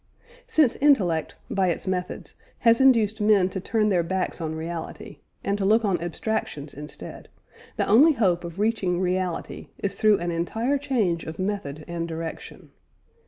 Since intellect, by its methods, has induced men to turn their backs on reality, and to look on abstractions instead, the only hope of reaching reality is through an entire change of method and direction.